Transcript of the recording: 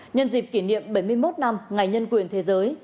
nhân dịp kỷ niệm bảy mươi một năm ngày nhân quyền thế giới